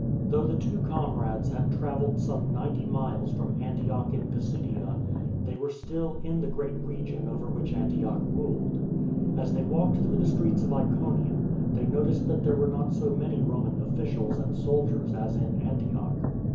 Though the two comrades had travelled some ninety miles from Antioch in Pisidia, they were still in the great region over which Antioch ruled. As they walked through the streets of Iconium, they noticed that there were not so many Roman officials and sol diers as in Antioch.